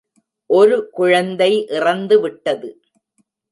ஒரு குழந்தை இறந்துவிட்டது.